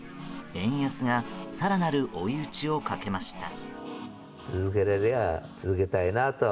円安が更なる追い打ちをかけました。